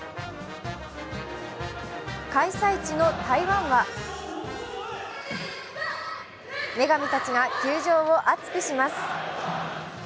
開催地の台湾は女神たちが球場を熱くします。